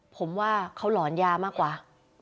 ผมว่าเขาหลอนยามากกว่า